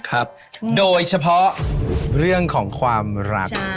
ครับโดยเฉพาะเรื่องของความรัก